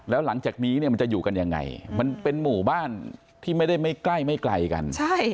แล้วหลังจากนี้เนี่ยมันจะอยู่กันยังไงมันเป็นหมู่บ้านที่ไม่ได้ไม่ใกล้ไม่ไกลกัน